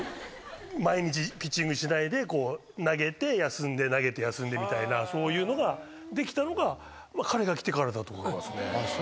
毎日ピッチングしないで投げて休んで投げて休んでみたいなそういうのができたのが彼が来てからだと思いますね。